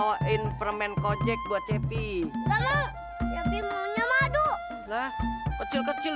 ya gimana sih cepri